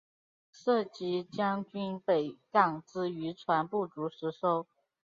设籍将军北港之渔船不足十艘。